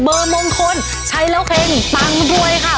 เบอร์มงคลใช้แล้วเค็งตามร่วมด้วยค่ะ